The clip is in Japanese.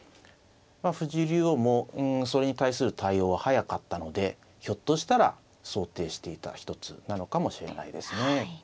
藤井竜王もそれに対する対応は早かったのでひょっとしたら想定していた一つなのかもしれないですね。